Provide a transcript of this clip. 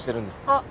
あっ！